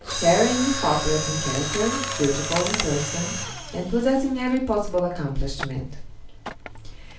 Heroine faultless in character, beautiful in person, and possessing every possible accomplishment.